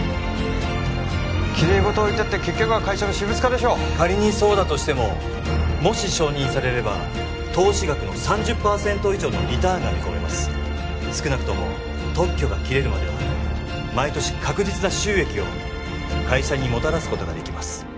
きれい事を言ったって結局は会社の私物化でしょう仮にそうだとしてももし承認されれば投資額の３０パーセント以上のリターンが見込めます少なくとも特許が切れるまでは毎年確実な収益を会社にもたらすことができます